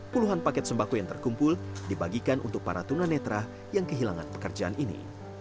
puluhan paket sembako yang terkumpul dibagikan untuk para tunanetra yang kehilangan pekerjaan ini